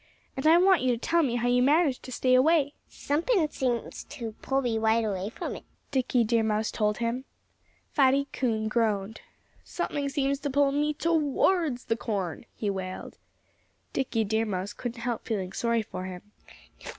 And I want you to tell me how you manage to stay away." "Something seems to pull me right away from it," Dickie Deer Mouse told him. Fatty Coon groaned. "Something seems to pull me towards the corn!" he wailed. Dickie Deer Mouse couldn't help feeling sorry for him.